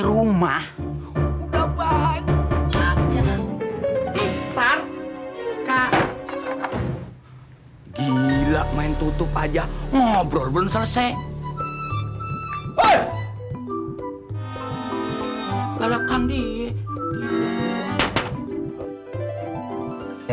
rumah udah banyak ya nanti par kak gila main tutup aja ngobrol belum selesai